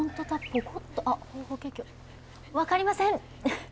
分かりません！